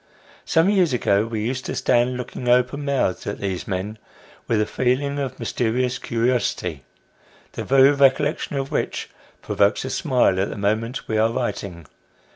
Some years ago we used to stand looking, open mouthed, at these men, with a feeling of mysterious curiosity, the very recollection of which provokes a smile at the moment we are writing.